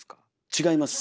違います。